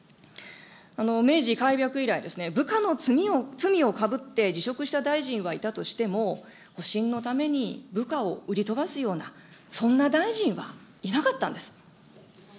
明治以来、部下の罪をかぶって辞職した大臣はいたとしても、保身のために部下を売り飛ばすような、そんな大臣はいなかったんです。